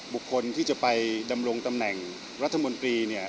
บุคคลที่จะไปดำรงตำแหน่งรัฐมนตรีเนี่ย